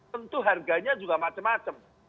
tentu harganya juga macam macam